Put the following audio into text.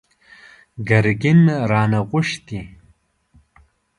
ګرګين رانه غوښتي!